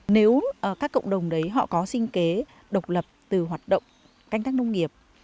nếu các cộng đồng đấy họ có sinh kế độc lập từ hoạt động canh tác nông nghiệp